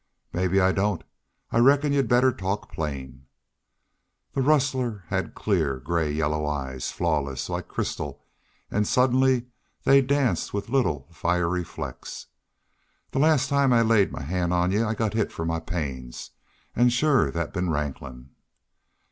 "Maybe I don't. I reckon y'u'd better talk plain." The rustler had clear gray yellow eyes, flawless, like, crystal, and suddenly they danced with little fiery flecks. "The last time I laid my hand on y'u I got hit for my pains. An' shore that's been ranklin'."